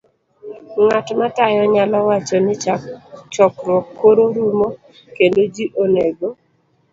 b- Ng'at matayo nyalo wacho ni chokruok koro rumo kendo ji onego